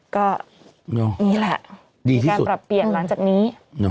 ก็นี่แหละมีการปรับเปลี่ยนหลังจากนี้